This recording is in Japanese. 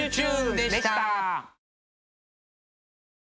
でした！